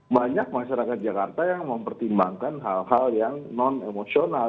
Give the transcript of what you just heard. banyak masyarakat jakarta yang mempertimbangkan hal hal yang non emosional